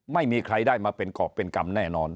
ไม่มีใครได้มาเป็นกรอบเป็นกรรมแน่นอน